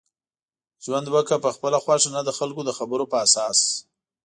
ژوند وکړه په خپله خوښه نه دخلکو دخبرو په اساس